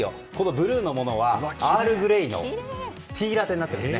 ブルーのものはアールグレイのティーラテになっております。